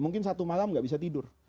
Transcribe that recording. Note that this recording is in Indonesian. mungkin satu malam nggak bisa tidur